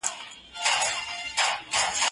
زه له سهاره مکتب ته ځم!.